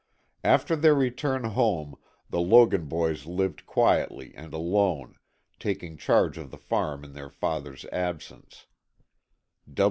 After their return home the Logan boys lived quietly and alone, taking charge of the farm in their father's absence.